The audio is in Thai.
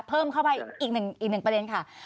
เพิ่มเข้าไปอีกหนึ่งประเด็นค่ะ